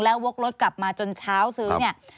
แล้ววกรถกลับมาจนเช้าซื้อเนี่ย